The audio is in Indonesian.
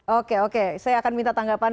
oke oke saya akan minta tanggapan